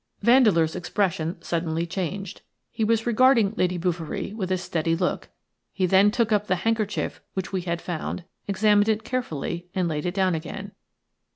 Vandeleur's expression suddenly changed. He was regarding Lady Bouverie with a steady look; he then took up the handkerchief which we had found, examined it carefully, and laid it down again.